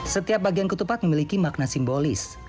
setiap bagian ketupat memiliki makna simbolis